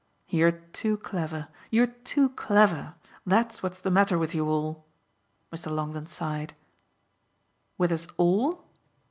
"You're too clever you're too clever: that's what's the matter with you all!" Mr. Longdon sighed. "With us ALL?"